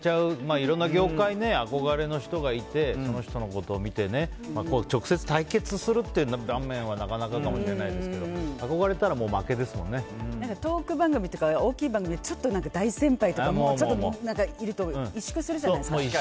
いろんな業界憧れの人がいてその人のことを見て直接、対決するという場面はなかなかかもしれないですけどトーク番組とか大きい番組でちょっと大先輩とかいると委縮するじゃないですか。